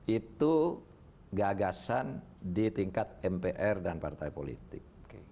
itu gagasan di tingkat mpr dan partai politik